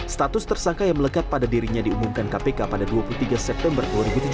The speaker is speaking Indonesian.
status tersangka yang melekat pada dirinya diumumkan kpk pada dua puluh tiga september dua ribu tujuh belas